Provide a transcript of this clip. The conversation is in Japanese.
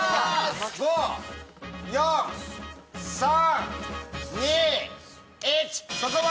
５・４・３・２・１。